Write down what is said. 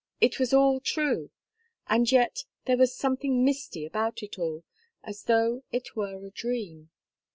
It was all true, and yet there was something misty about it all, as though it were a dream.